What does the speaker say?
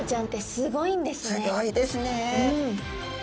すギョいですね。